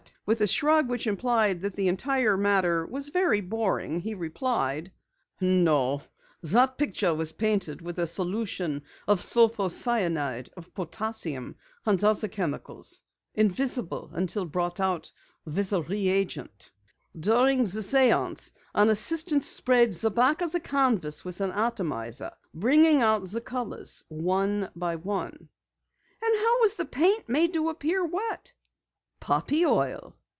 With a shrug which implied that the entire matter was very boring, he replied: "No, the picture was painted with a solution of sulphocyanid of potassium and other chemicals, invisible until brought out with a re agent. During the séance, an assistant sprayed the back of the canvas with an atomizer, bringing out the colors one by one." "And how was the paint made to appear wet?" "Poppy oil."